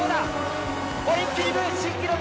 オリンピック新記録！